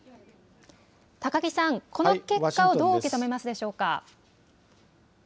高木さん、この結果をどう受け止めますでしょうか。